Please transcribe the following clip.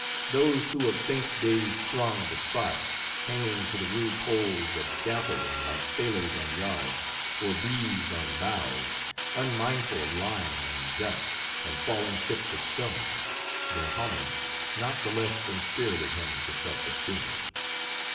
Those who of saints' days thronged the spot—hanging to the rude poles of scaffolding, like sailors on yards, or bees on boughs, unmindful of lime and dust, and falling chips of stone—their homage not the less inspirited him to self esteem.